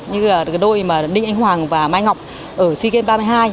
như đôi đinh anh hoàng và mai ngọc ở sea games ba mươi hai